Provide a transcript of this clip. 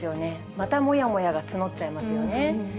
またもやもやが募っちゃいますよね。